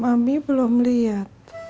mami belum liat